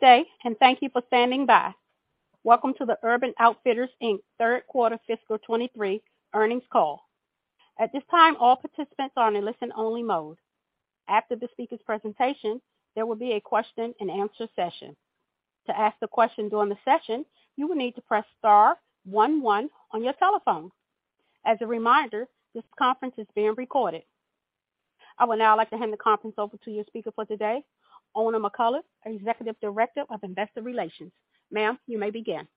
Good day, thank you for standing by. Welcome to the Urban Outfitters, Inc. third quarter fiscal 23 earnings call. At this time, all participants are in listen only mode. After the speaker's presentation, there will be a question and answer session. To ask the question during the session, you will need to press star one one on your telephone. As a reminder, this conference is being recorded. I would now like to hand the conference over to your speaker for today, Oona McCullough, Executive Director of Investor Relations. Ma'am, you may begin.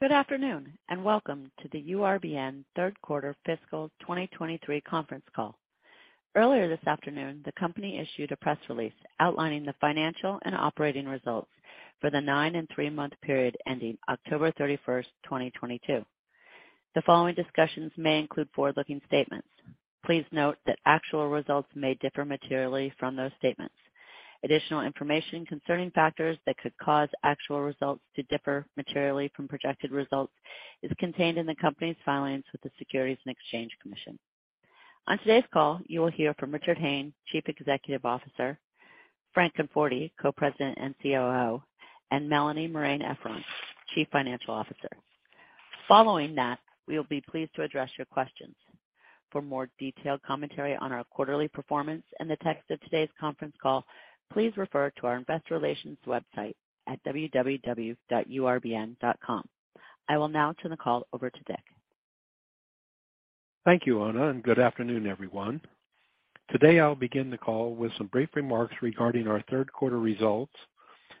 Good afternoon, welcome to the URBN third quarter fiscal 2023 conference call. Earlier this afternoon, the company issued a press release outlining the financial and operating results for the 9- and 3-month period ending October 31, 2022. The following discussions may include forward-looking statements. Please note that actual results may differ materially from those statements. Additional information concerning factors that could cause actual results to differ materially from projected results is contained in the company's filings with the Securities and Exchange Commission. On today's call, you will hear from Richard Hayne, Chief Executive Officer, Frank Conforti, Co-President and COO, and Melanie Marein-Efron, Chief Financial Officer. Following that, we will be pleased to address your questions. For more detailed commentary on our quarterly performance and the text of today's conference call, please refer to our investor relations website at www.urbn.com. I will now turn the call over to Dick. Thank you, Oona, and good afternoon, everyone. Today I'll begin the call with some brief remarks regarding our third quarter results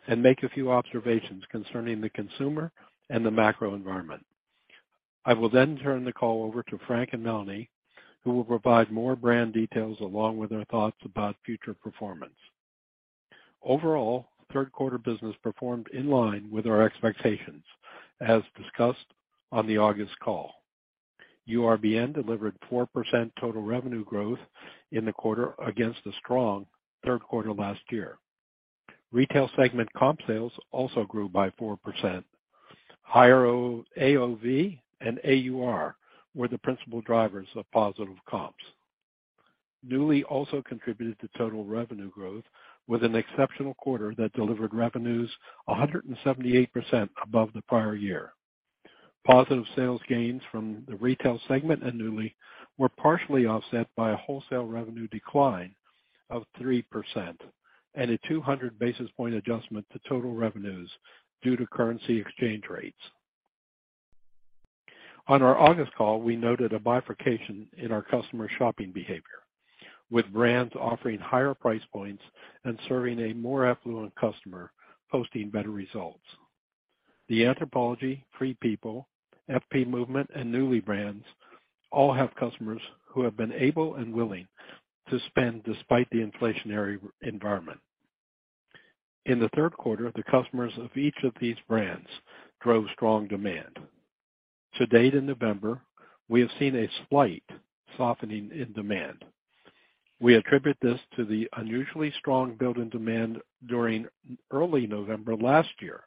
and make a few observations concerning the consumer and the macro environment. I will then turn the call over to Frank and Melanie, who will provide more brand details along with their thoughts about future performance. Overall, third quarter business performed in line with our expectations, as discussed on the August call. URBN delivered 4% total revenue growth in the quarter against a strong third quarter last year. Retail segment comp sales also grew by 4%. Higher AOV and AUR were the principal drivers of positive comps. Nuuly also contributed to total revenue growth with an exceptional quarter that delivered revenues 178% above the prior year. Positive sales gains from the retail segment and Nuuly were partially offset by a wholesale revenue decline of 3% and a 200 basis point adjustment to total revenues due to currency exchange rates. On our August call, we noted a bifurcation in our customer shopping behavior, with brands offering higher price points and serving a more affluent customer posting better results. The Anthropologie, Free People, FP Movement, and Nuuly brands all have customers who have been able and willing to spend despite the inflationary environment. In the third quarter, the customers of each of these brands drove strong demand. To date, in November, we have seen a slight softening in demand. We attribute this to the unusually strong build-in demand during early November last year,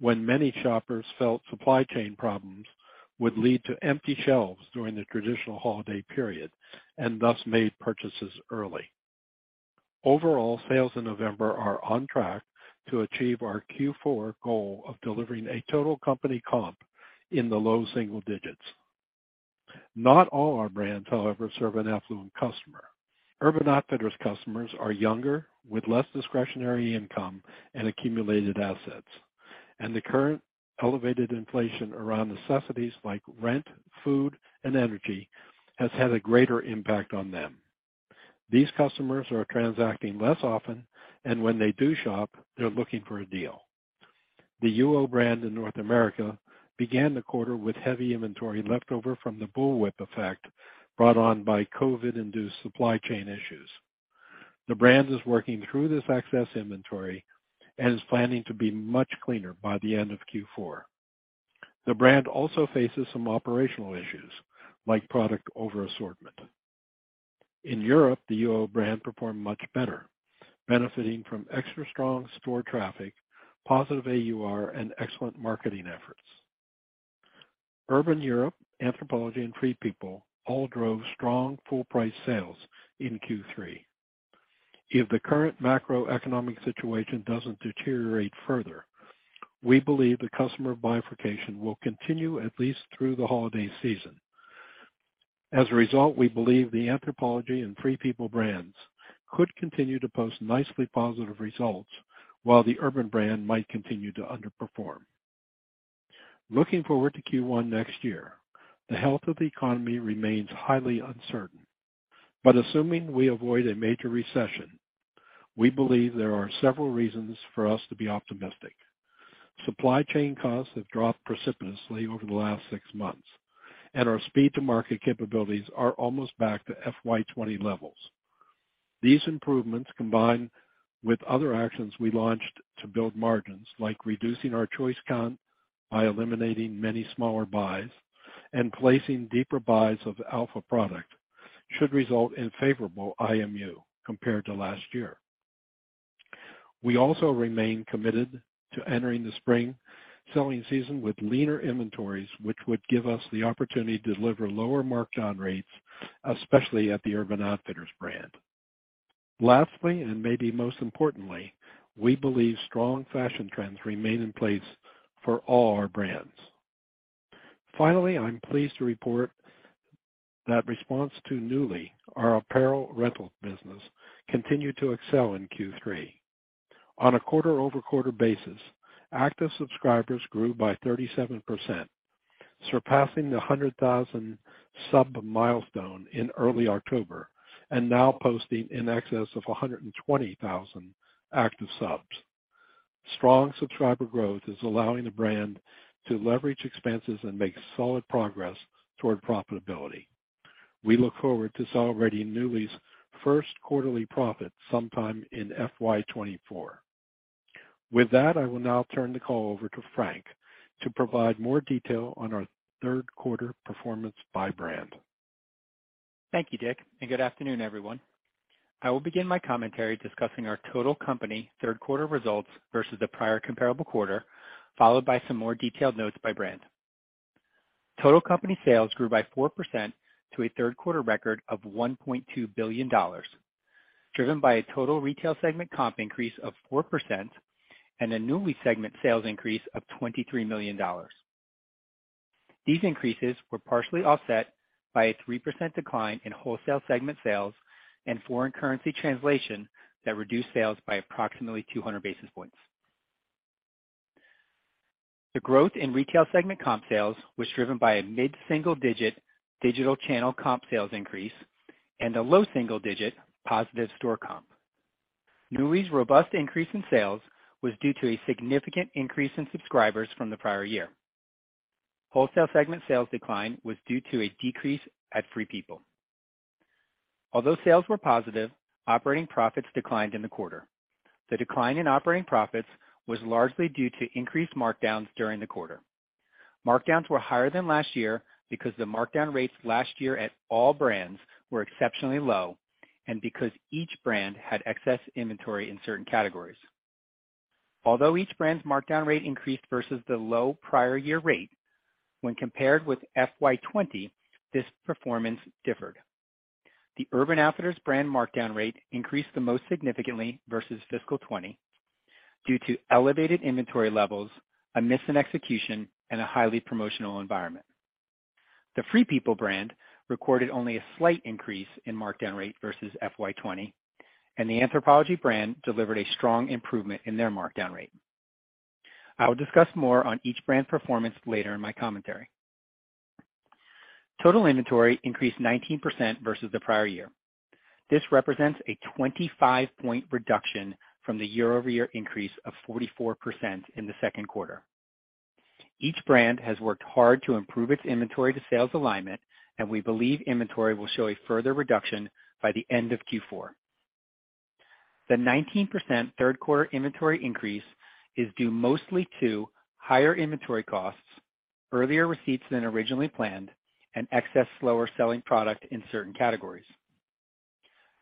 when many shoppers felt supply chain problems would lead to empty shelves during the traditional holiday period and thus made purchases early. Overall, sales in November are on track to achieve our Q4 goal of delivering a total company comp in the low single digits. Not all our brands, however, serve an affluent customer. Urban Outfitters customers are younger, with less discretionary income and accumulated assets, and the current elevated inflation around necessities like rent, food, and energy has had a greater impact on them. These customers are transacting less often, and when they do shop, they're looking for a deal. The UO brand in North America began the quarter with heavy inventory left over from the bullwhip effect brought on by COVID-induced supply chain issues. The brand is working through this excess inventory and is planning to be much cleaner by the end of Q4. The brand also faces some operational issues, like product over-assortment. In Europe, the UO brand performed much better, benefiting from extra strong store traffic, positive AUR, and excellent marketing efforts. Urban Europe, Anthropologie, and Free People all drove strong full price sales in Q3. If the current macroeconomic situation doesn't deteriorate further, we believe the customer bifurcation will continue at least through the Holiday Season. As a result, we believe the Anthropologie and Free People brands could continue to post nicely positive results, while the Urban brand might continue to underperform. Looking forward to Q1 next year, the health of the economy remains highly uncertain. Assuming we avoid a major recession, we believe there are several reasons for us to be optimistic. Supply chain costs have dropped precipitously over the last 6 months, and our speed to market capabilities are almost back to FY 20 levels. These improvements, combined with other actions we launched to build margins, like reducing our choice count by eliminating many smaller buys and placing deeper buys of alpha product, should result in favorable IMU compared to last year. We also remain committed to entering the spring selling season with leaner inventories, which would give us the opportunity to deliver lower markdown rates, especially at the Urban Outfitters brand. Lastly, and maybe most importantly, we believe strong fashion trends remain in place for all our brands. I'm pleased to report that response to Nuuly, our apparel rental business, continued to excel in Q3. On a quarter-over-quarter basis, active subscribers grew by 37%, surpassing the 100,000 sub milestone in early October and now posting in excess of 120,000 active subs. Strong subscriber growth is allowing the brand to leverage expenses and make solid progress toward profitability. We look forward to celebrating Nuuly's first quarterly profit sometime in FY 2024. With that, I will now turn the call over to Frank to provide more detail on our third quarter performance by brand. Thank you, Dick, good afternoon, everyone. I will begin my commentary discussing our total company third quarter results versus the prior comparable quarter, followed by some more detailed notes by brand. Total company sales grew by 4% to a third quarter record of $1.2 billion, driven by a total retail segment comp increase of 4% and a Nuuly segment sales increase of $23 million. These increases were partially offset by a 3% decline in wholesale segment sales and foreign currency translation that reduced sales by approximately 200 basis points. The growth in retail segment comp sales was driven by a mid-single digit digital channel comp sales increase and a low single digit positive store comp. Nuuly's robust increase in sales was due to a significant increase in subscribers from the prior year. Wholesale segment sales decline was due to a decrease at Free People. Although sales were positive, operating profits declined in the quarter. The decline in operating profits was largely due to increased markdowns during the quarter. Markdowns were higher than last year because the markdown rates last year at all brands were exceptionally low and because each brand had excess inventory in certain categories. Although each brand's markdown rate increased versus the low prior year rate, when compared with FY 20, this performance differed. The Urban Outfitters brand markdown rate increased the most significantly versus fiscal 20 due to elevated inventory levels, a miss in execution, and a highly promotional environment. The Free People brand recorded only a slight increase in markdown rate versus FY 20, and the Anthropologie brand delivered a strong improvement in their markdown rate. I will discuss more on each brand's performance later in my commentary. Total inventory increased 19% versus the prior year. This represents a 25-point reduction from the year-over-year increase of 44% in the 2nd quarter. Each brand has worked hard to improve its inventory-to-sales alignment, and we believe inventory will show a further reduction by the end of Q4. The 19% 3rd quarter inventory increase is due mostly to higher inventory costs, earlier receipts than originally planned, and excess slower selling product in certain categories.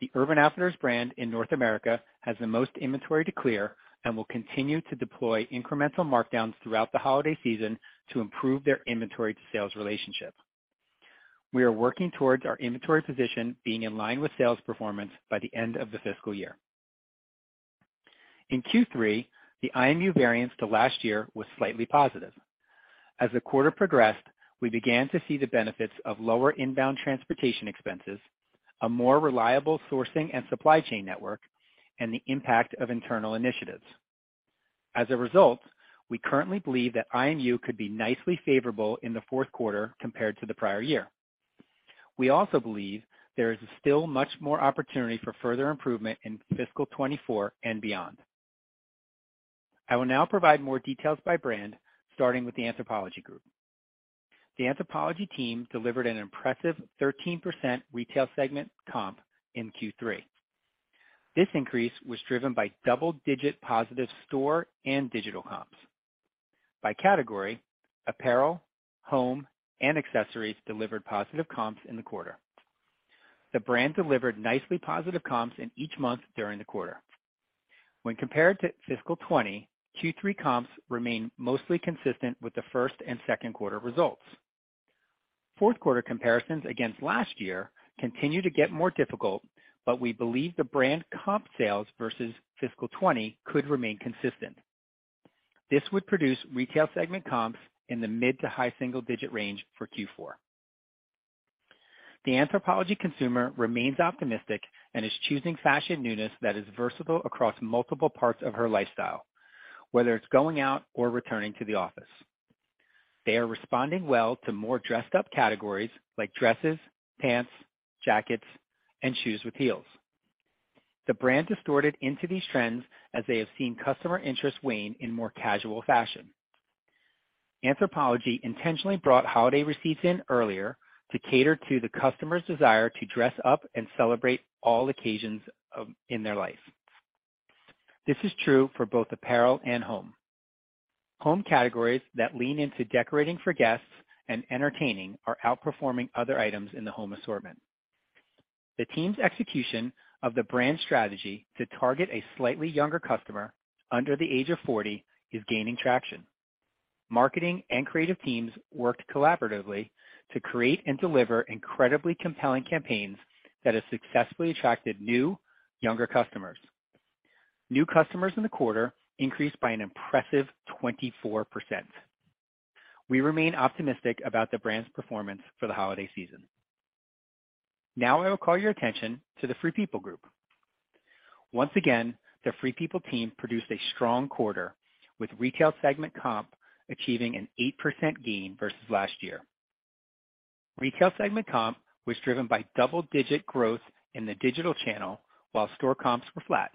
The Urban Outfitters brand in North America has the most inventory to clear and will continue to deploy incremental markdowns throughout the holiday season to improve their inventory-to-sales relationship. We are working towards our inventory position being in line with sales performance by the end of the fiscal year. In Q3, the IMU variance to last year was slightly positive. As the quarter progressed, we began to see the benefits of lower inbound transportation expenses, a more reliable sourcing and supply chain network, and the impact of internal initiatives. As a result, we currently believe that IMU could be nicely favorable in the fourth quarter compared to the prior year. We also believe there is still much more opportunity for further improvement in fiscal 2024 and beyond. I will now provide more details by brand, starting with the Anthropologie Group. The Anthropologie team delivered an impressive 13% retail segment comp in Q3. This increase was driven by double-digit positive store and digital comps. By category, apparel, home, and accessories delivered positive comps in the quarter. The brand delivered nicely positive comps in each month during the quarter. When compared to fiscal 2020, Q3 comps remain mostly consistent with the first and second quarter results. Fourth quarter comparisons against last year continue to get more difficult. We believe the brand comp sales versus fiscal 20 could remain consistent. This would produce retail segment comps in the mid-to-high single-digit range for Q4. The Anthropologie consumer remains optimistic and is choosing fashion newness that is versatile across multiple parts of her lifestyle, whether it's going out or returning to the office. They are responding well to more dressed up categories like dresses, pants, jackets, and shoes with heels. The brand has sorted into these trends as they have seen customer interest wane in more casual fashion. Anthropologie intentionally brought holiday receipts in earlier to cater to the customer's desire to dress up and celebrate all occasions in their life. This is true for both apparel and home. Home categories that lean into decorating for guests and entertaining are outperforming other items in the home assortment. The team's execution of the brand strategy to target a slightly younger customer under the age of 40 is gaining traction. Marketing and creative teams worked collaboratively to create and deliver incredibly compelling campaigns that have successfully attracted new, younger customers. New customers in the quarter increased by an impressive 24%. We remain optimistic about the brand's performance for the holiday season. Now I will call your attention to the Free People Group. Once again, the Free People team produced a strong quarter, with retail segment comp achieving an 8% gain versus last year. Retail segment comp was driven by double-digit growth in the digital channel while store comps were flat.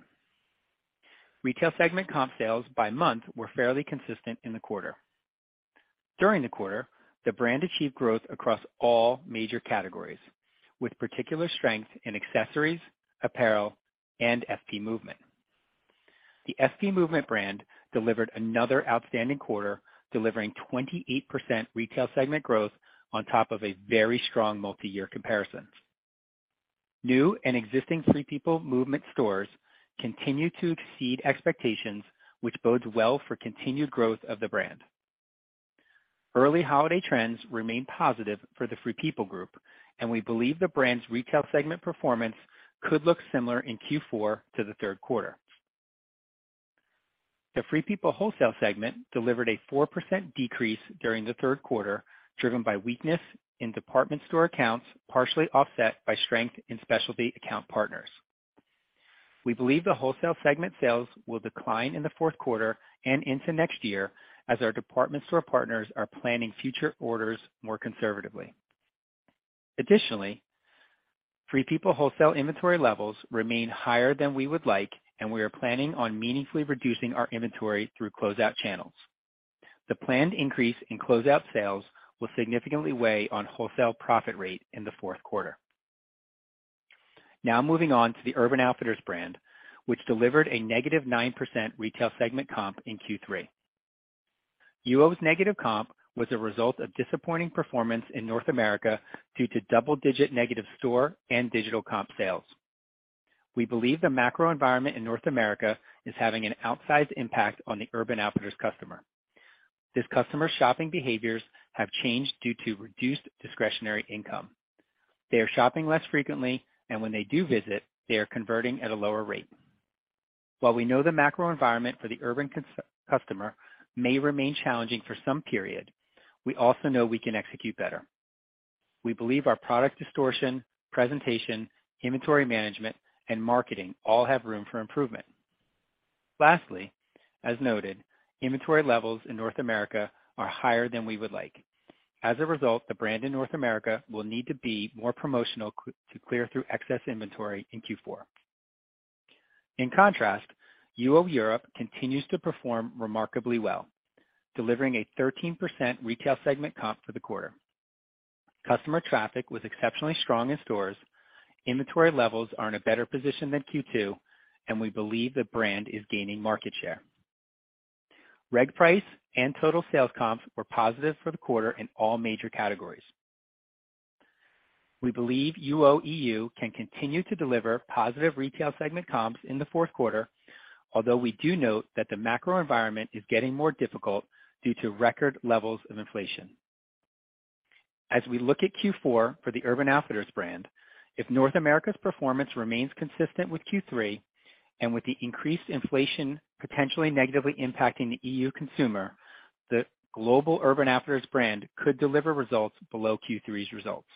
Retail segment comp sales by month were fairly consistent in the quarter. During the quarter, the brand achieved growth across all major categories, with particular strength in accessories, apparel, and FP Movement. The FP Movement brand delivered another outstanding quarter, delivering 28% retail segment growth on top of a very strong multi-year comparison. New and existing Free People Movement stores continue to exceed expectations, which bodes well for continued growth of the brand. Early holiday trends remain positive for the Free People Group, and we believe the brand's retail segment performance could look similar in Q4 to the third quarter. The Free People wholesale segment delivered a 4% decrease during the third quarter, driven by weakness in department store accounts, partially offset by strength in specialty account partners. We believe the wholesale segment sales will decline in the fourth quarter and into next year as our department store partners are planning future orders more conservatively. Additionally, Free People wholesale inventory levels remain higher than we would like, and we are planning on meaningfully reducing our inventory through closeout channels. The planned increase in closeout sales will significantly weigh on wholesale profit rate in the fourth quarter. Moving on to the Urban Outfitters brand, which delivered a -9% retail segment comp in Q3. UO's negative comp was a result of disappointing performance in North America due to double-digit negative store and digital comp sales. We believe the macro environment in North America is having an outsized impact on the Urban Outfitters customer. This customer's shopping behaviors have changed due to reduced discretionary income. They are shopping less frequently, and when they do visit, they are converting at a lower rate. While we know the macro environment for the Urban customer may remain challenging for some period, we also know we can execute better. We believe our product distortion, presentation, inventory management, and marketing all have room for improvement. Lastly, as noted, inventory levels in North America are higher than we would like. As a result, the brand in North America will need to be more promotional to clear through excess inventory in Q4. In contrast, UO Europe continues to perform remarkably well, delivering a 13% retail segment comp for the quarter. Customer traffic was exceptionally strong in stores. Inventory levels are in a better position than Q2, and we believe the brand is gaining market share. Reg price and total sales comps were positive for the quarter in all major categories. We believe UOEU can continue to deliver positive retail segment comps in the fourth quarter, although we do note that the macro environment is getting more difficult due to record levels of inflation. As we look at Q four for the Urban Outfitters brand, if North America's performance remains consistent with Q three and with the increased inflation potentially negatively impacting the EU consumer, the global Urban Outfitters brand could deliver results below Q three's results.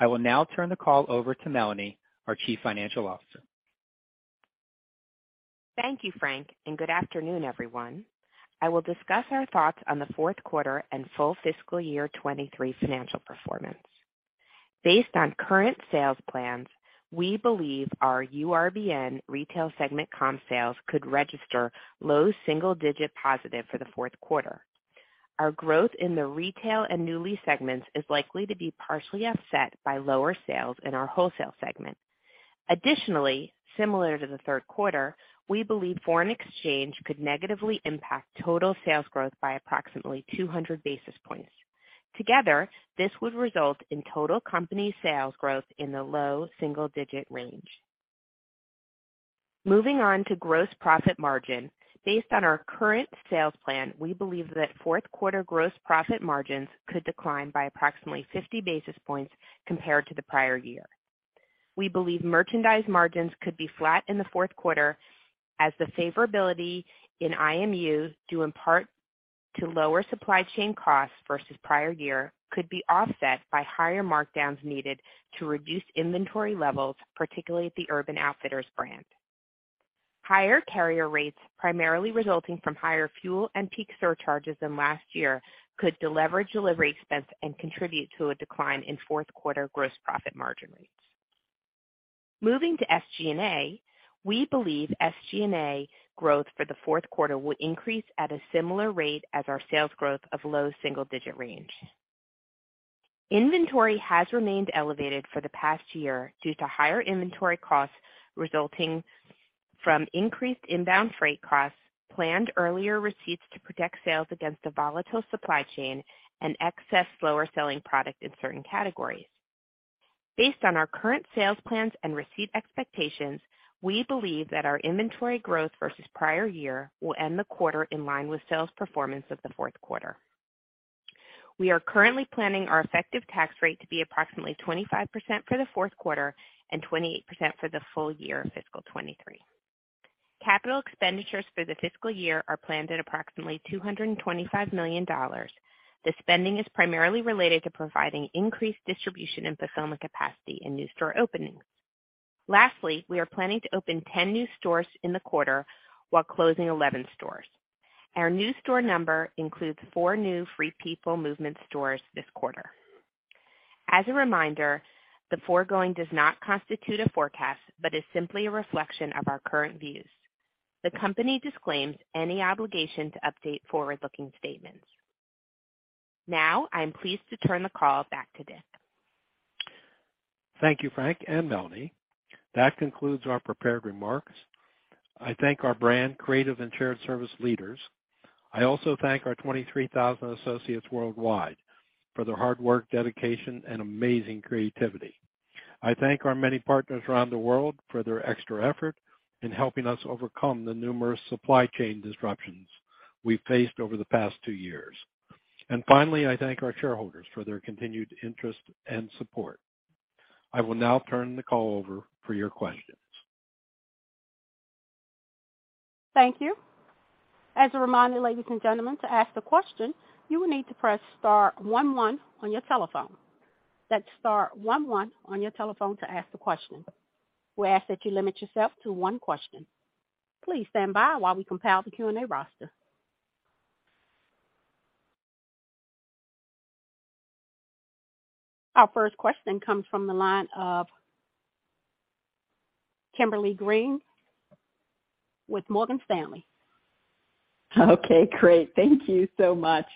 I will now turn the call over to Melanie, our Chief Financial Officer. Thank you, Frank. Good afternoon, everyone. I will discuss our thoughts on the fourth quarter and full fiscal year 23 financial performance. Based on current sales plans, we believe our URBN retail segment comp sales could register low single digit positive for the fourth quarter. Our growth in the retail and Nuuly segments is likely to be partially offset by lower sales in our wholesale segment. Similar to the third quarter, we believe foreign exchange could negatively impact total sales growth by approximately 200 basis points. Together, this would result in total company sales growth in the low single-digit range. Moving on to gross profit margin. Based on our current sales plan, we believe that fourth quarter gross profit margins could decline by approximately 50 basis points compared to the prior year. We believe merchandise margins could be flat in the fourth quarter as the favorability in IMUs, due in part to lower supply chain costs versus prior year, could be offset by higher markdowns needed to reduce inventory levels, particularly at the Urban Outfitters brand. Higher carrier rates, primarily resulting from higher fuel and peak surcharges than last year, could deleverage delivery expense and contribute to a decline in fourth quarter gross profit margin rates. Moving to SG&A, we believe SG&A growth for the fourth quarter will increase at a similar rate as our sales growth of low single-digit range. Inventory has remained elevated for the past year due to higher inventory costs resulting from increased inbound freight costs, planned earlier receipts to protect sales against the volatile supply chain and excess slower selling product in certain categories. Based on our current sales plans and receipt expectations, we believe that our inventory growth versus prior year will end the quarter in line with sales performance of the fourth quarter. We are currently planning our effective tax rate to be approximately 25% for the fourth quarter and 28% for the full year in fiscal 2023. Capital expenditures for the fiscal year are planned at approximately $225 million. The spending is primarily related to providing increased distribution and fulfillment capacity in new store openings. Lastly, we are planning to open 10 new stores in the quarter while closing 11 stores. Our new store number includes 4 new Free People Movement stores this quarter. As a reminder, the foregoing does not constitute a forecast, but is simply a reflection of our current views. The company disclaims any obligation to update forward-looking statements. Now I am pleased to turn the call back to Dick. Thank you, Frank and Melanie. That concludes our prepared remarks. I thank our brand, creative and shared service leaders. I also thank our 23,000 associates worldwide for their hard work, dedication and amazing creativity. I thank our many partners around the world for their extra effort in helping us overcome the numerous supply chain disruptions we've faced over the past two years. Finally, I thank our shareholders for their continued interest and support. I will now turn the call over for your questions. Thank you. As a reminder, ladies and gentlemen, to ask the question, you will need to press star one one on your telephone. That's star one one on your telephone to ask the question. We ask that you limit yourself to one question. Please stand by while we compile the Q&A roster. Our first question comes from the line of Kimberly Greenberger with Morgan Stanley. Okay, great. Thank you so much.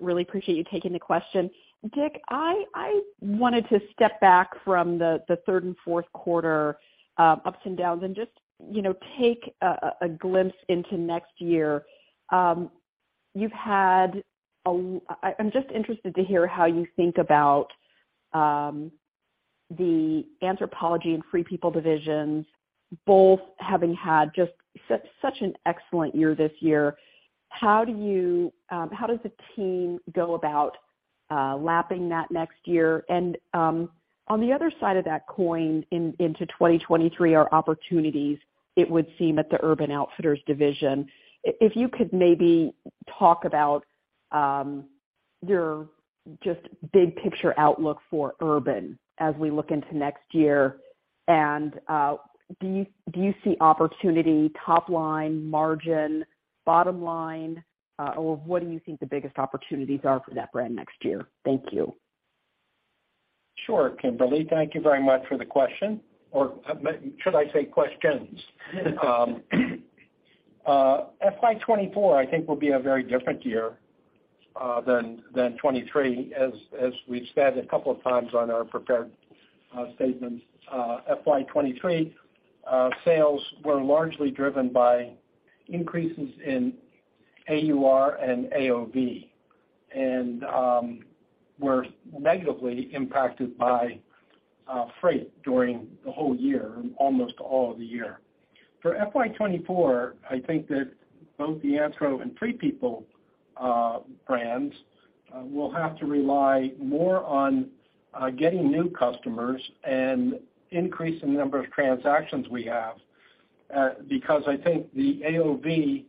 Really appreciate you taking the question. Dick, I wanted to step back from the third and fourth quarter ups and downs and just, you know, take a glimpse into next year. I'm just interested to hear how you think about the Anthropologie and Free People divisions, both having had such an excellent year this year. How do you, how does the team go about lapping that next year? On the other side of that coin into 2023 are opportunities, it would seem, at the Urban Outfitters division. If you could maybe talk about your just big picture outlook for Urban as we look into next year. Do you see opportunity top line, margin, bottom line? What do you think the biggest opportunities are for that brand next year? Thank you. Sure, Kimberly, thank you very much for the question, or should I say questions. FY 2024, I think, will be a very different year than 2023. As we've said a couple of times on our prepared statements, FY 2023 sales were largely driven by increases in AUR and AOV, and were negatively impacted by freight during the whole year, almost all of the year. For FY 2024, I think that both the Anthro and Free People brands will have to rely more on getting new customers and increasing the number of transactions we have, because I think the AOV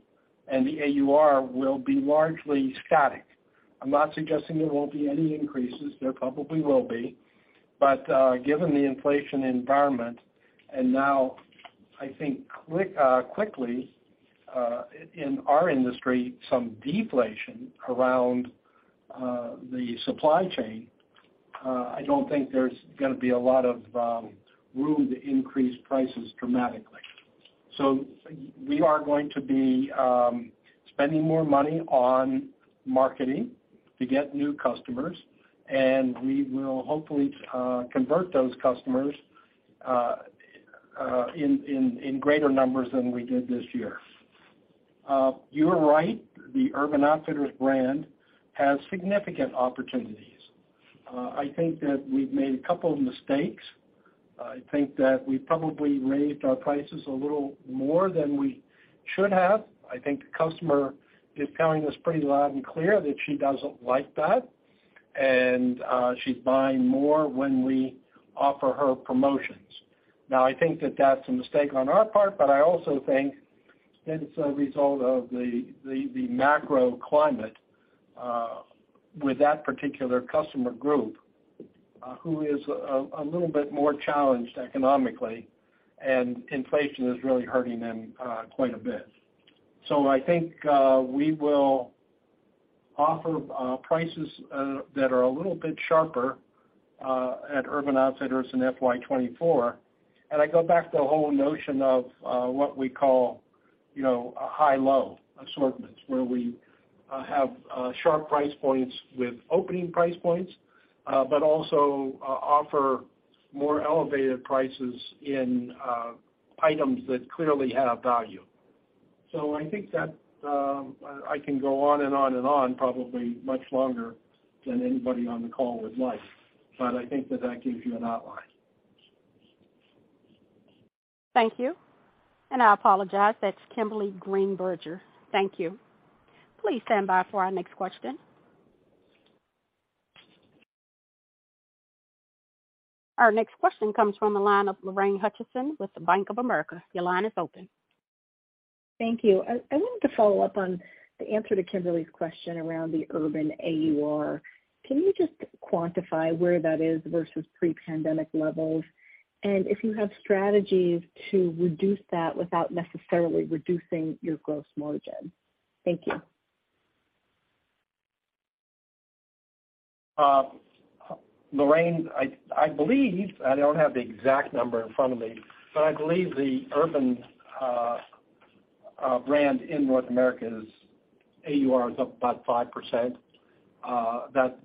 and the AUR will be largely static. I'm not suggesting there won't be any increases. There probably will be. Given the inflation environment and now I think quickly in our industry, some deflation around the supply chain, I don't think there's gonna be a lot of room to increase prices dramatically. We are going to be spending more money on marketing to get new customers, and we will hopefully convert those customers in greater numbers than we did this year. You're right, the Urban Outfitters brand has significant opportunities. I think that we've made a couple of mistakes. I think that we probably raised our prices a little more than we should have. I think the customer is telling us pretty loud and clear that she doesn't like that, and she's buying more when we offer her promotions. Now, I think that that's a mistake on our part, but I also think that it's a result of the macro climate with that particular customer group, who is a little bit more challenged economically, and inflation is really hurting them quite a bit. I think we will offer prices that are a little bit sharper. At Urban Outfitters in FY 2024, and I go back to the whole notion of what we call, you know, a high low assortments, where we have sharp price points with opening price points, but also offer more elevated prices in items that clearly have value. I think that I can go on and on and on probably much longer than anybody on the call would like, but I think that that gives you an outline. Thank you. I apologize, that's Kimberly Greenberger. Thank you. Please stand by for our next question. Our next question comes from the line of Lorraine Hutchinson with the Bank of America. Your line is open. Thank you. I wanted to follow up on the answer to Kimberly's question around the Urban AUR. Can you just quantify where that is versus pre-pandemic levels? If you have strategies to reduce that without necessarily reducing your gross margin? Thank you. Lorraine, I believe, I don't have the exact number in front of me, but I believe the Urban brand in North America's AUR is up about 5%.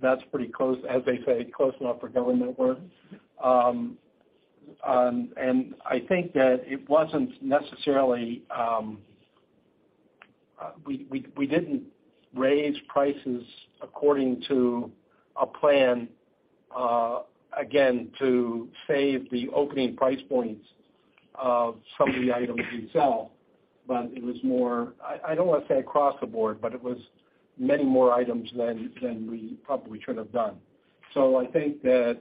That's pretty close, as they say, close enough for government work. I think that it wasn't necessarily, we didn't raise prices according to a plan, again, to save the opening price points of some of the items we sell, but it was more, I don't wanna say across the board, but it was many more items than we probably should have done. I think that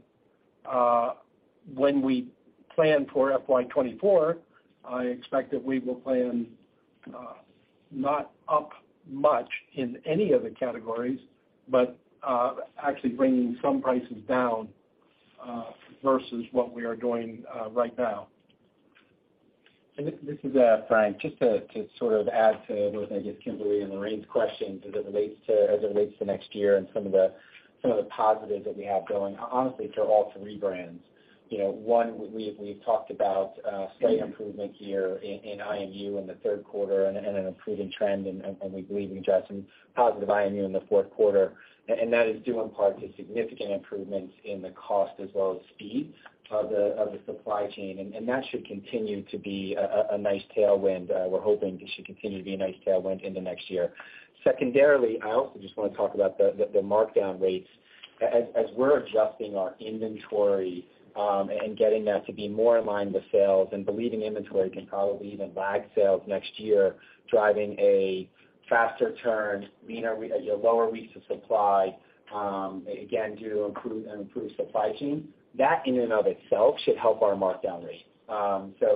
when we plan for FY 2024, I expect that we will plan not up much in any of the categories, but actually bringing some prices down, versus what we are doing, right now. This is Frank. Just to sort of add to both, I guess, Kimberly and Lorraine's questions as it relates to next year and some of the positives that we have going, honestly, for all three brands. You know, one, we've talked about slight improvement here in IMU in the third quarter and an improving trend, and we believe, and Justin, positive IMU in the fourth quarter. That is due in part to significant improvements in the cost as well as speed of the supply chain. That should continue to be a nice tailwind. We're hoping this should continue to be a nice tailwind into next year. Secondarily, I also just want to talk about the markdown rates. As we're adjusting our inventory, and getting that to be more in line with sales and believing inventory can probably even lag sales next year, driving a faster turn, leaner a lower weeks of supply, again, due to improved supply chain, that in and of itself should help our markdown rate.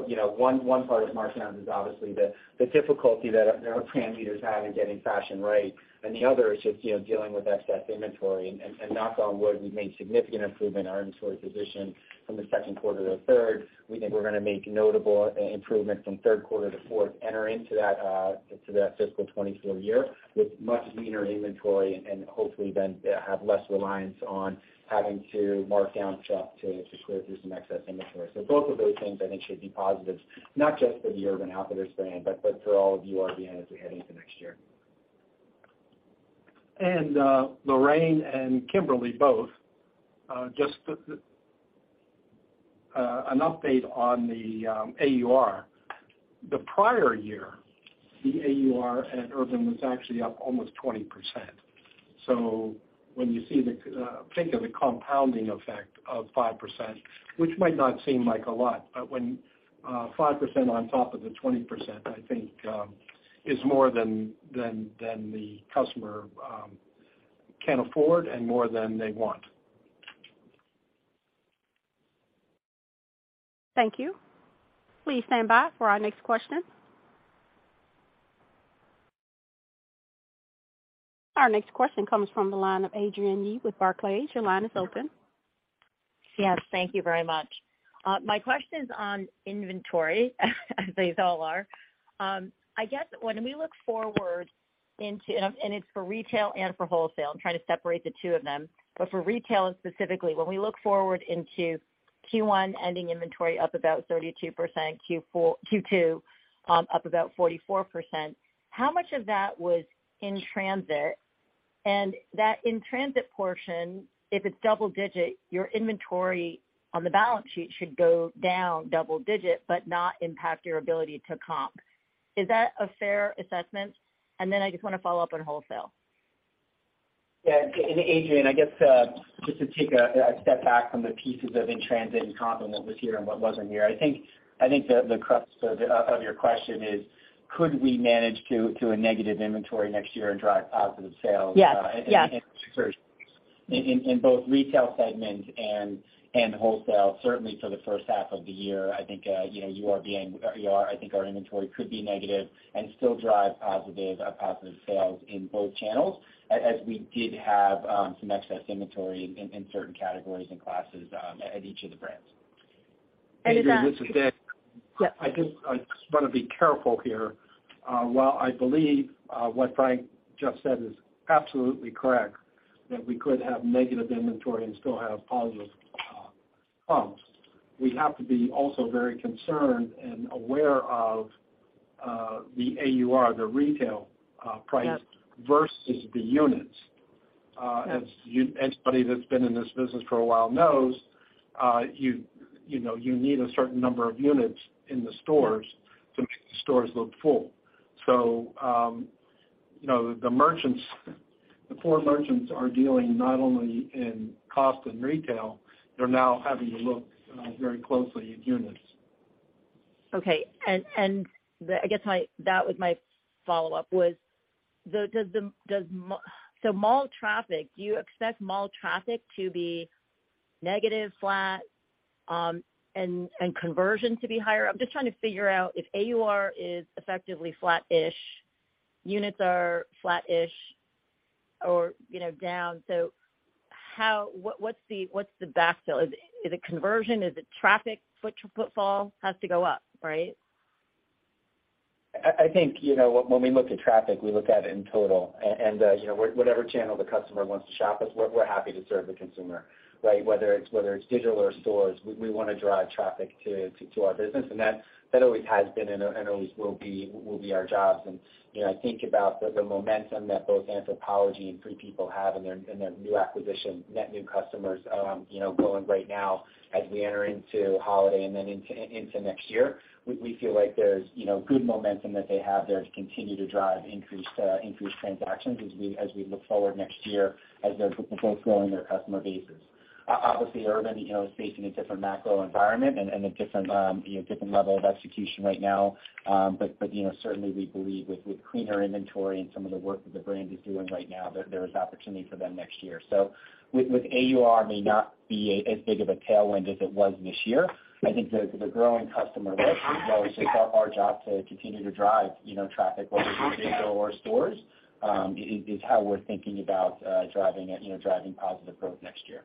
You know, one part of markdowns is obviously the difficulty that our brand leaders have in getting fashion right, and the other is just, you know, dealing with excess inventory. And knock on wood, we've made significant improvement in our inventory position from the second quarter to the third. We think we're gonna make notable improvements from third quarter to fourth, enter into that into that fiscal 2024 year with much leaner inventory and hopefully then have less reliance on having to markdown stuff to clear through some excess inventory. Both of those things I think should be positives, not just for the Urban Outfitters brand, but for all of URBN as we head into next year. Lorraine and Kimberly both, just an update on the AUR. The prior year, the AUR at Urban was actually up almost 20%. When you see the, think of the compounding effect of 5%, which might not seem like a lot, but when 5% on top of the 20%, I think, is more than the customer can afford and more than they want. Thank you. Please stand by for our next question. Our next question comes from the line of Adrienne Yih with Barclays. Your line is open. Yes, thank you very much. My question's on inventory, as these all are. I guess when we look forward into... It's for retail and for wholesale. I'm trying to separate the two of them. For retail specifically, when we look forward into Q1 ending inventory up about 32%, Q2 up about 44%, how much of that was in transit? That in transit portion, if it's double digit, your inventory on the balance sheet should go down double digit but not impact your ability to comp. Is that a fair assessment? I just wanna follow up on wholesale. Yeah. Adrienne, I guess, just to take a step back from the pieces of in transit and comp and what was here and what wasn't here, I think the crux of your question is could we manage to a negative inventory next year and drive positive sales? Yes. Yes. In both retail segment and wholesale, certainly for the first half of the year, I think, you know, URBN, I think our inventory could be negative and still drive positive sales in both channels, as we did have, some excess inventory in certain categories and classes, at each of the brands. This is Dick. Yep. I just wanna be careful here. While I believe what Frank just said is absolutely correct, that we could have negative inventory and still have positive comps, we have to be also very concerned and aware of the AUR, the retail price. Yep. versus the units. Yep. Anybody that's been in this business for a while knows, you know, you need a certain number of units in the stores to make the stores look full. You know, the merchants, the four merchants are dealing not only in cost and retail, they're now having to look very closely at units. Okay. I guess, that was my follow-up. Do you expect mall traffic to be negative, flat, and conversion to be higher? I'm just trying to figure out if AUR is effectively flat-ish, units are flat-ish or, you know, down, how? What's the backfill? Is it conversion? Is it traffic footfall has to go up, right? I think, you know, when we look at traffic, we look at it in total. You know, whatever channel the customer wants to shop with, we're happy to serve the consumer, right? Whether it's digital or stores, we wanna drive traffic to our business. That always has been and always will be our jobs. You know, I think about the momentum that both Anthropologie and Free People have in their new acquisition, net new customers, you know, going right now as we enter into holiday and then into next year. We feel like there's, you know, good momentum that they have there to continue to drive increased transactions as we look forward next year as they're both growing their customer bases. Obviously, Urban, you know, is facing a different macro environment and a different, you know, different level of execution right now. But, you know, certainly we believe with cleaner inventory and some of the work that the brand is doing right now, there is opportunity for them next year. With AUR may not be as big of a tailwind as it was this year, I think the growing customer base, while it's our job to continue to drive, you know, traffic whether it's digital or stores, is how we're thinking about driving, you know, positive growth next year.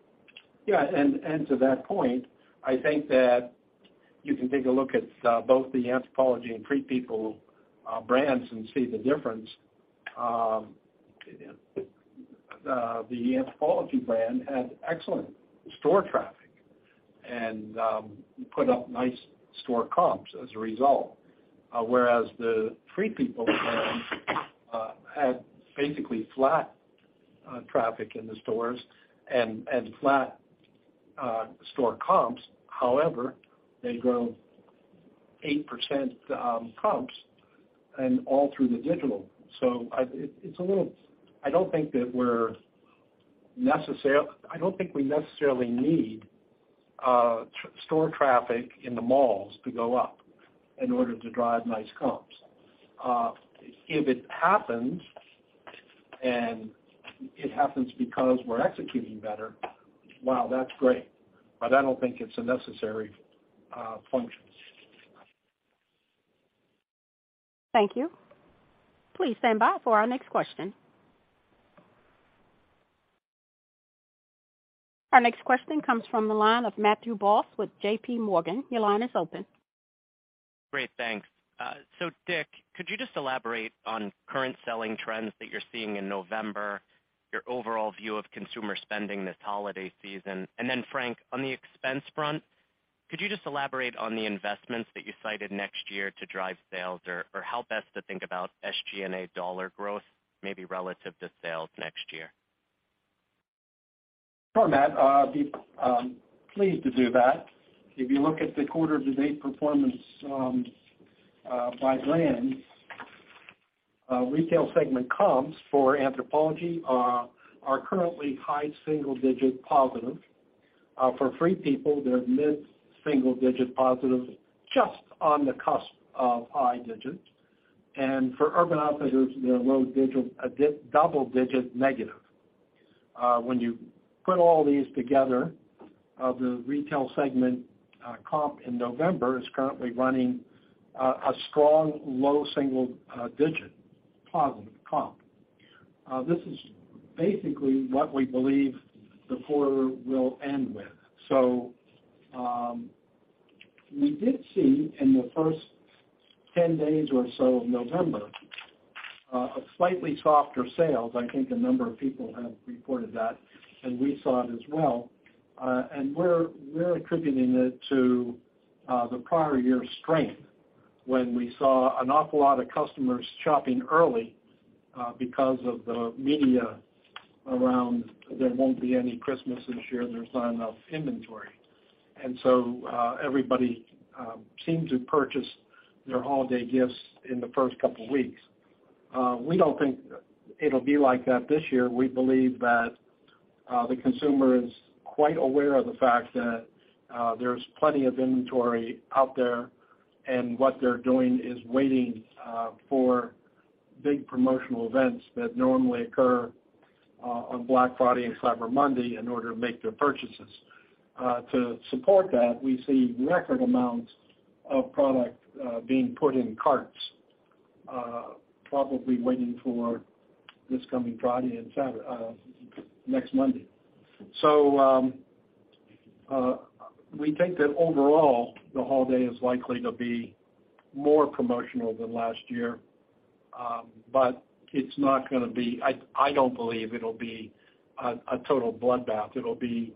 To that point, I think that you can take a look at both the Anthropologie and Free People brands and see the difference. The Anthropologie brand had excellent store traffic and put up nice store comps as a result. Whereas the Free People brand had basically flat traffic in the stores and flat store comps. However, they grow 8% comps and all through the digital. It's a little... I don't think we necessarily need store traffic in the malls to go up in order to drive nice comps. If it happens, and it happens because we're executing better, wow, that's great. I don't think it's a necessary function. Thank you. Please stand by for our next question. Our next question comes from the line of Matthew Boss with J.P. Morgan. Your line is open. Great. Thanks. Dick, could you just elaborate on current selling trends that you're seeing in November, your overall view of consumer spending this holiday season? Frank, on the expense front, could you just elaborate on the investments that you cited next year to drive sales? Or how best to think about SG&A dollar growth maybe relative to sales next year? Sure, Matt. I'll be pleased to do that. If you look at the quarter to date performance, by brands, retail segment comps for Anthropologie, are currently high single-digit positive. For Free People, they're mid-single-digit positive, just on the cusp of high digits. For Urban Outfitters, they're double-digit negative. When you put all these together, the retail segment comp in November is currently running a strong low single-digit positive comp. This is basically what we believe the quarter will end with. We did see in the first 10 days or so of November, a slightly softer sales. I think a number of people have reported that, and we saw it as well. We're attributing it to the prior year's strength when we saw an awful lot of customers shopping early because of the media around there won't be any Christmas this year, there's not enough inventory. Everybody seemed to purchase their holiday gifts in the first couple weeks. We don't think it'll be like that this year. We believe that the consumer is quite aware of the fact that there's plenty of inventory out there, and what they're doing is waiting for big promotional events that normally occur on Black Friday and Cyber Monday in order to make their purchases. To support that, we see record amounts of product being put in carts, probably waiting for this coming Friday and next Monday. We think that overall the holiday is likely to be more promotional than last year. It's not gonna be I don't believe it'll be a total bloodbath. It'll be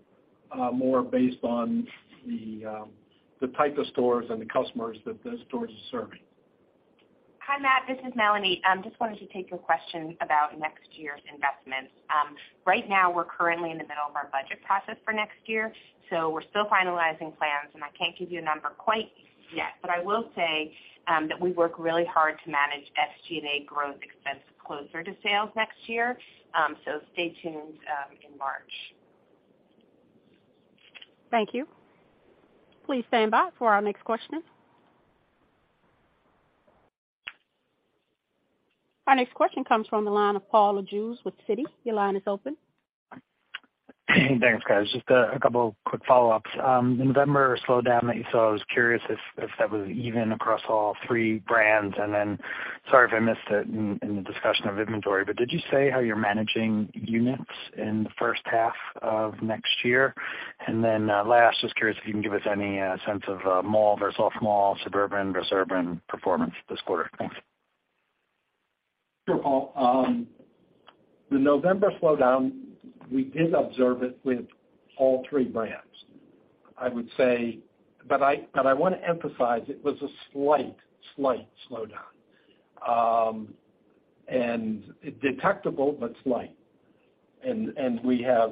more based on the type of stores and the customers that those stores are serving. Hi, Matt, this is Melanie. I just wanted to take a question about next year's investments. Right now, we're currently in the middle of our budget process for next year, so we're still finalizing plans, and I can't give you a number quite yet. I will say that we work really hard to manage SG&A growth expense closer to sales next year. Stay tuned in March. Thank you. Please stand by for our next question. Our next question comes from the line of Paul Lejuez with Citi. Your line is open. Thanks, guys. Just a couple quick follow-ups. The November slowdown that you saw, I was curious if that was even across all three brands? Sorry if I missed it in the discussion of inventory, but did you say how you're managing units in the first half of next year? Last, just curious if you can give us any sense of mall versus small suburban versus urban performance this quarter? Thanks. Sure, Paul. The November slowdown, we did observe it with all three brands. I would say. I wanna emphasize it was a slight slowdown. Detectable but slight. That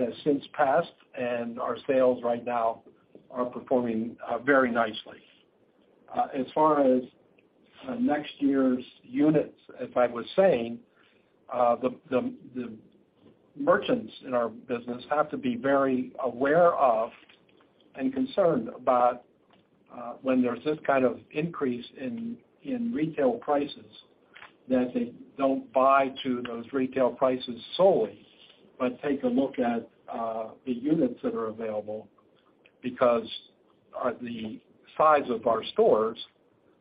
has since passed, and our sales right now are performing very nicely. As far as next year's units, as I was saying, the merchants in our business have to be very aware of and concerned about when there's this kind of increase in retail prices, that they don't buy to those retail prices solely, but take a look at the units that are available because the size of our stores,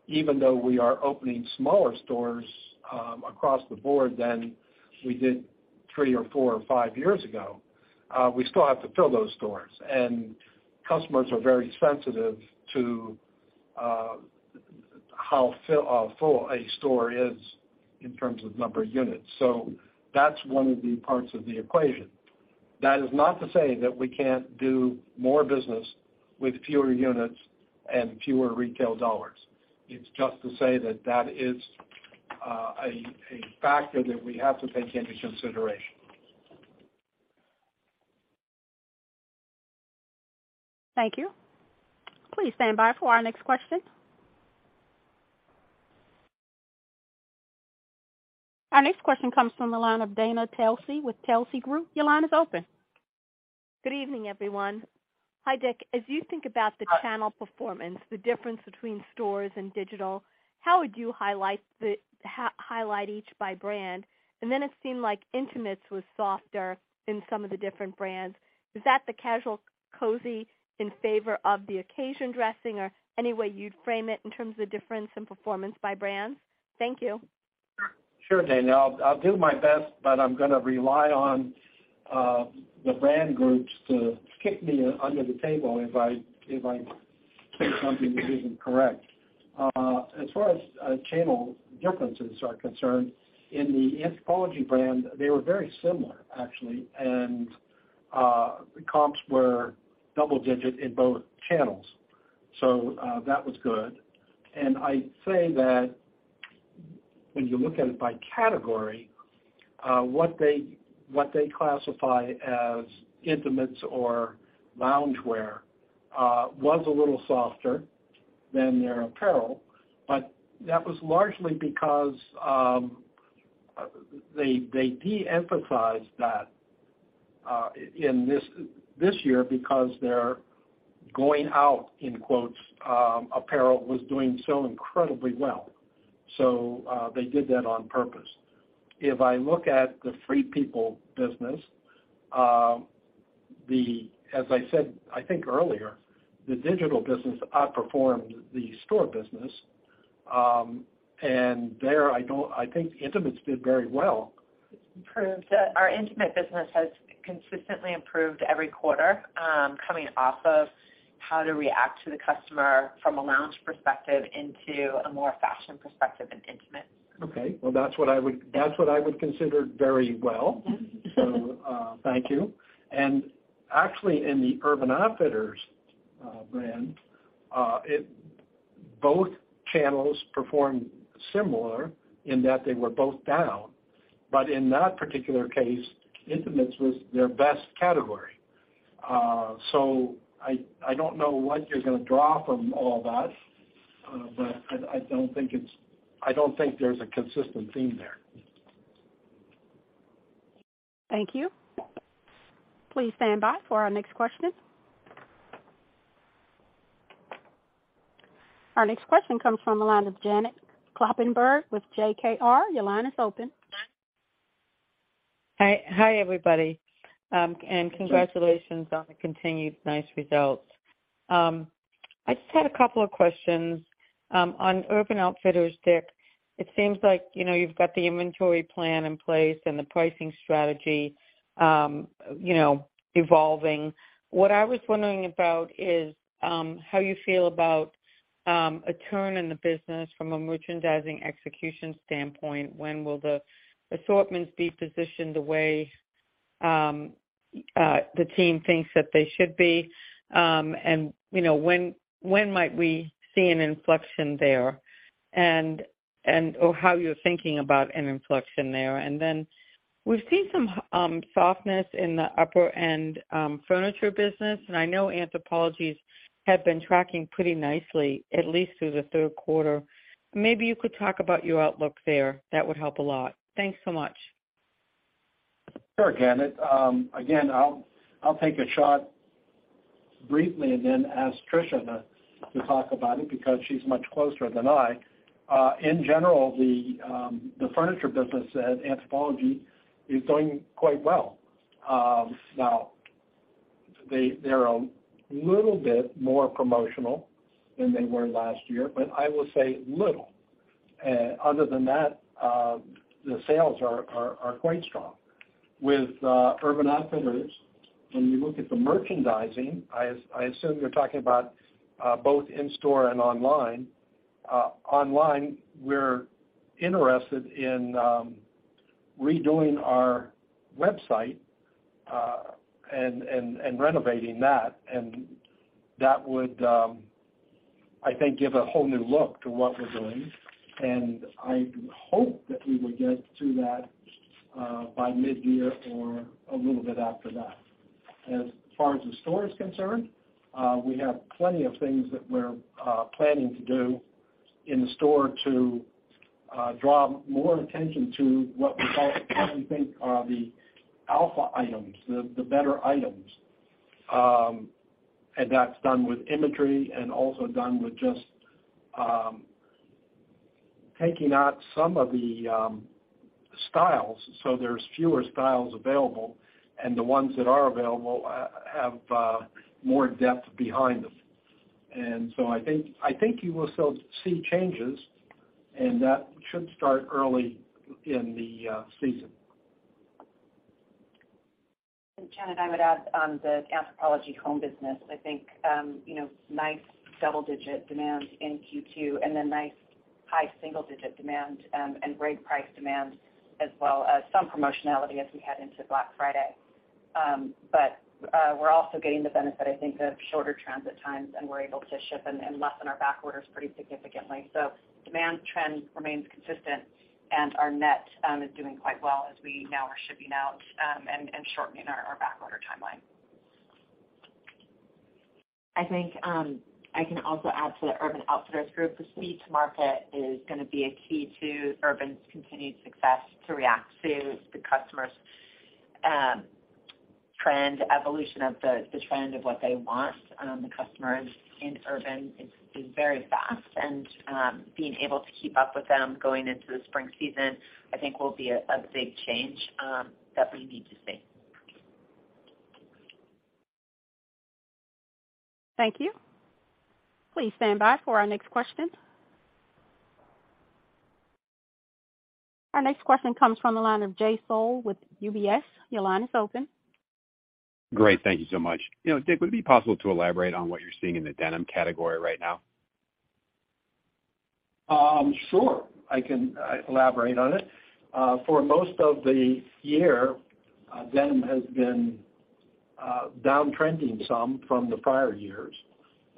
even though we are opening smaller stores across the board than we did three or four or five years ago, we still have to fill those stores. customers are very sensitive to how full a store is in terms of number of units. That's one of the parts of the equation. That is not to say that we can't do more business with fewer units and fewer retail dollars. It's just to say that that is a factor that we have to take into consideration. Thank you. Please stand by for our next question. Our next question comes from the line of Dana Telsey with Telsey Group. Your line is open. Good evening, everyone. Hi, Dick. As you think about the channel performance, the difference between stores and digital, how would you highlight each by brand? Then it seemed like intimates was softer in some of the different brands. Is that the casual cozy in favor of the occasion dressing, or any way you'd frame it in terms of the difference in performance by brands? Thank you. Sure, Dana. I'll do my best, but I'm gonna rely on the brand groups to kick me under the table if I say something that isn't correct. As far as channel differences are concerned, in the Anthropologie brand, they were very similar, actually. The comps were double-digit in both channels, that was good. I'd say that when you look at it by category, what they classify as intimates or loungewear was a little softer than their apparel, but that was largely because they de-emphasized that this year because their "going out," in quotes, apparel was doing so incredibly well. They did that on purpose. If I look at the Free People business, as I said, I think earlier, the digital business outperformed the store business. There I think intimates did very well. It's improved. Our intimate business has consistently improved every quarter, coming off of how to react to the customer from a lounge perspective into a more fashion perspective in intimate. Okay. Well, that's what I would consider very well. Yes. Thank you. Actually, in the Urban Outfitters brand, both channels performed similar in that they were both down. In that particular case, intimates was their best category. I don't know what you're gonna draw from all that, but I don't think there's a consistent theme there. Thank you. Please stand by for our next question. Our next question comes from the line of Janet Kloppenburg with JJK Research. Your line is open. Hi everybody. Congratulations on the continued nice results. I just had a couple of questions. On Urban Outfitters, Dick, it seems like, you know, you've got the inventory plan in place and the pricing strategy, you know, evolving. What I was wondering about is how you feel about a turn in the business from a merchandising execution standpoint. When will the assortments be positioned the way the team thinks that they should be? You know, when might we see an inflection there and or how you're thinking about an inflection there? Then we've seen some softness in the upper-end furniture business, and I know Anthropologies have been tracking pretty nicely, at least through the third quarter. Maybe you could talk about your outlook there. That would help a lot. Thanks so much. Sure, Janet. Again, I'll take a shot briefly and then ask Tricia to talk about it because she's much closer than I. In general, the furniture business at Anthropologie is doing quite well. Now they're a little bit more promotional than they were last year, but I will say little. Other than that, the sales are quite strong. With Urban Outfitters, when you look at the merchandising, I assume you're talking about both in store and online. Online, we're interested in redoing our website and renovating that. That would, I think, give a whole new look to what we're doing. I hope that we would get to that by mid-year or a little bit after that. As far as the store is concerned, we have plenty of things that we're planning to do in store to draw more attention to what we call, we think are the alpha items, the better items. That's done with imagery and also done with just taking out some of the styles so there's fewer styles available, and the ones that are available, have more depth behind them. I think you will still see changes, and that should start early in the season. Janet, I would add on the Anthropologie home business, I think, you know, nice double-digit demand in Q2 and then nice high single digit demand, and great price demand as well as some promotionality as we head into Black Friday. We're also getting the benefit, I think, of shorter transit times, and we're able to ship and lessen our back orders pretty significantly. Demand trend remains consistent, and our net is doing quite well as we now are shipping out and shortening our back order timeline. I think I can also add to the Urban Outfitters Group. The speed to market is gonna be a key to Urban's continued success to react to the customers' trend, evolution of the trend of what they want. The customers in Urban is very fast, and being able to keep up with them going into the spring season, I think will be a big change that we need to see. Thank you. Please stand by for our next question. Our next question comes from the line of Jay Sole with UBS. Your line is open. Great, thank you so much. You know, Dick, would it be possible to elaborate on what you're seeing in the denim category right now? Sure, I can elaborate on it. For most of the year, denim has been down trending some from the prior years,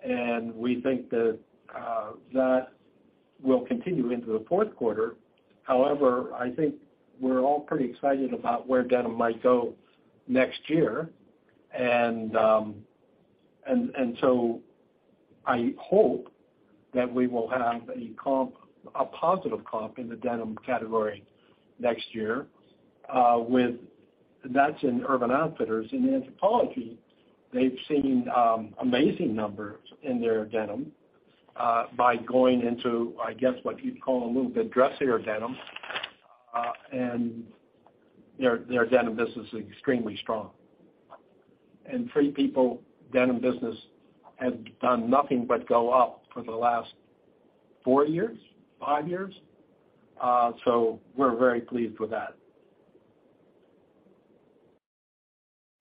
and we think that will continue into the fourth quarter. However, I think we're all pretty excited about where denim might go next year. I hope that we will have a comp, a positive comp in the denim category next year, with... That's in Urban Outfitters. In Anthropologie, they've seen amazing numbers in their denim by going into, I guess, what you'd call a little bit dressier denim. Their denim business is extremely strong. Free People denim business has done nothing but go up for the last four years, five years. We're very pleased with that.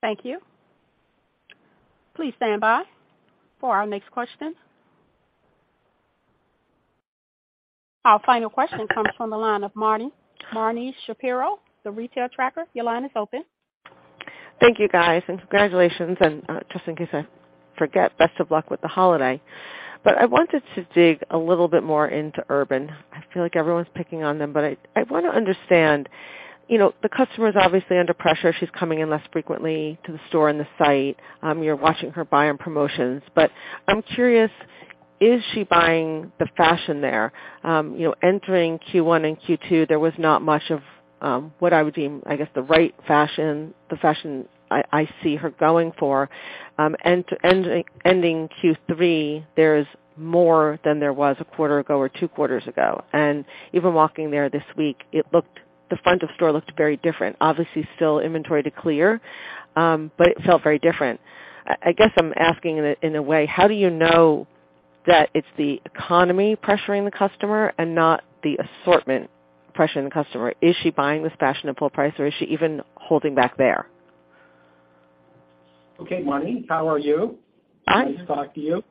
Thank you. Please stand by for our next question. Our final question comes from the line of Marni Shapiro, The Retail Tracker. Your line is open. Thank you guys and congratulations, and just in case I forget, best of luck with the holiday. I wanted to dig a little bit more into Urban. I feel like everyone's picking on them, but I wanna understand. You know, the customer's obviously under pressure. She's coming in less frequently to the store and the site. You're watching her buy on promotions. I'm curious. Is she buying the fashion there? You know, entering Q1 and Q2, there was not much of what I would deem, I guess, the right fashion, the fashion I see her going for. To ending Q3, there's more than there was a quarter ago or two quarters ago. Even walking there this week, it looked. The front of store looked very different. Obviously, still inventory to clear, but it felt very different. I guess I'm asking in a way, how do you know that it's the economy pressuring the customer and not the assortment pressuring the customer? Is she buying this fashion at full price, or is she even holding back there? Okay, Marni, how are you? I'm Nice to talk to you.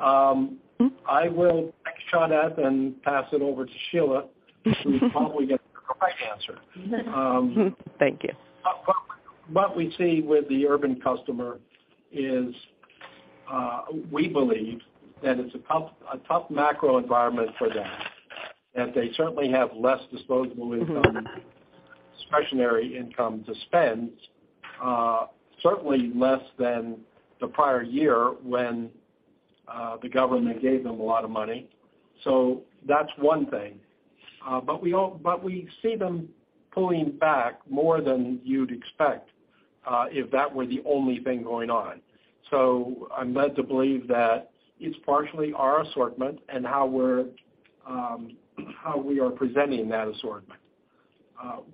I will thank Jeanette and pass it over to Sheila. She'll probably get the right answer. Thank you. What we see with the urban customer is, we believe that it's a tough macro environment for them, that they certainly have less disposable income. Mm-hmm. discretionary income to spend. Certainly less than the prior year when the government gave them a lot of money. That's one thing. We see them pulling back more than you'd expect if that were the only thing going on. I'm led to believe that it's partially our assortment and how we're how we are presenting that assortment.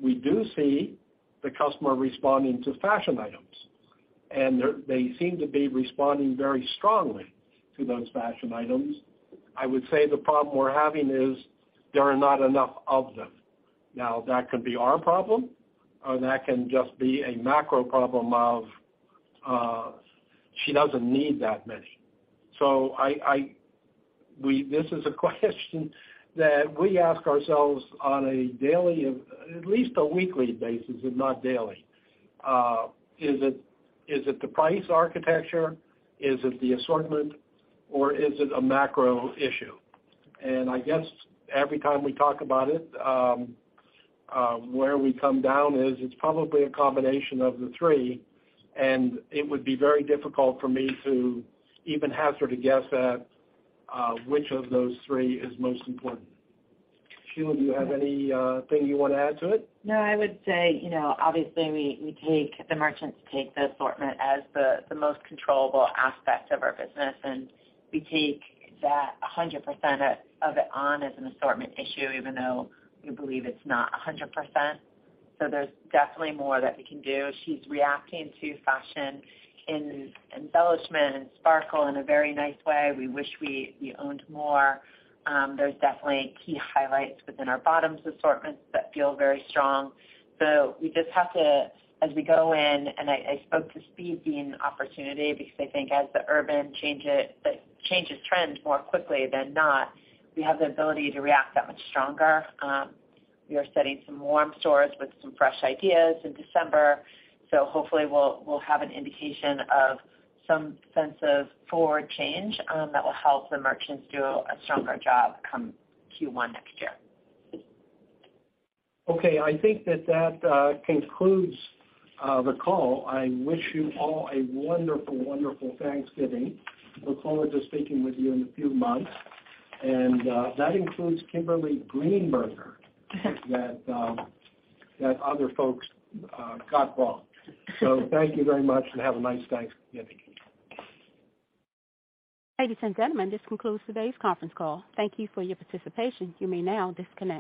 We do see the customer responding to fashion items, and they seem to be responding very strongly to those fashion items. I would say the problem we're having is there are not enough of them. That could be our problem or that can just be a macro problem of she doesn't need that many. This is a question that we ask ourselves on a daily, at least a weekly basis, if not daily. Is it the price architecture? Is it the assortment, or is it a macro issue? I guess every time we talk about it, where we come down is it's probably a combination of the three, and it would be very difficult for me to even hazard a guess at, which of those three is most important. Sheila, do you have anything you wanna add to it? No, I would say, you know, obviously we take the merchants take the assortment as the most controllable aspect of our business, and we take that 100% of it on as an assortment issue, even though we believe it's not 100%. There's definitely more that we can do. She's reacting to fashion in embellishment and sparkle in a very nice way. We wish we owned more. There's definitely key highlights within our bottoms assortments that feel very strong. We just have to, as we go in, and I spoke to speed being an opportunity because I think as the Urban changes trends more quickly than not, we have the ability to react that much stronger. We are studying some warm stores with some fresh ideas in December, hopefully we'll have an indication of some sense of forward change that will help the merchants do a stronger job come Q1 next year. Okay. I think that that concludes the call. I wish you all a wonderful Thanksgiving. We'll look forward to speaking with you in a few months. That includes Kimberly Greenberger. That other folks got wrong. Thank you very much and have a nice Thanksgiving. Ladies and gentlemen, this concludes today's conference call. Thank you for your participation. You may now disconnect.